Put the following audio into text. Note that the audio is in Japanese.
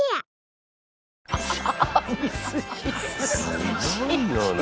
すごいよな。